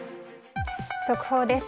速報です。